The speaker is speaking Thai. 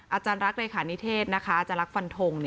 อาจารย์รักษ์รายความนิเทศอาจารย์รักษ์ฟันทง